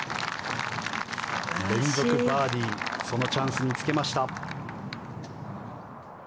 連続バーディーそのチャンスにつけました。